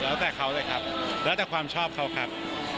แล้วแต่เขาเลยครับแล้วแต่ความชอบเขาครับ